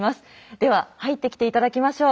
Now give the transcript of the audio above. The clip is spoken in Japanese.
では入ってきて頂きましょう。